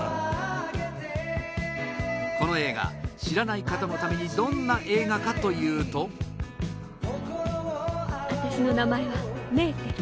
この映画、知らない方のためにどんな映画かというと私の名前はメーテル。